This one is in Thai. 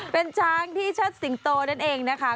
เป็นช้างที่ชัดศิงโตนะเองนะคะ